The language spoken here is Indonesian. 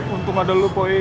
untung ada lu poi